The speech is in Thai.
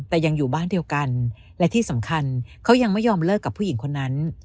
แต่ยังอยู่บ้านเดียวกันและที่สำคัญเขายังไม่ยอมเลิกกับผู้หญิงคนนั้น